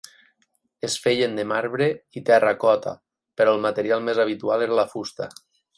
Es feien de marbre i terracota, però el material més habitual era la fusta.